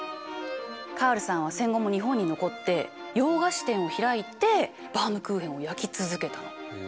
カールさんは戦後も日本に残って洋菓子店を開いてバウムクーヘンを焼き続けたの。